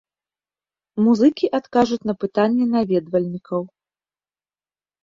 Музыкі адкажуць на пытанні наведвальнікаў.